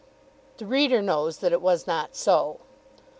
The reader knows that it was not so.